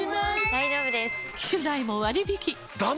大丈夫です！